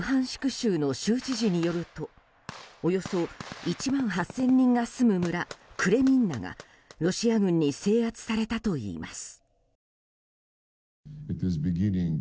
州の州知事によるとおよそ１万８０００人が住む村クレミンナがロシア軍に制圧されたといいます。